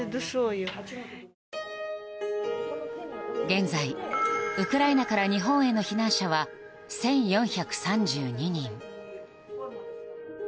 現在、ウクライナから日本への避難者は１４３２人。